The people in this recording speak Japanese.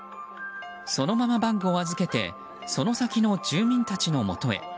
そのままバッグを預けてその先の住民たちのもとへ。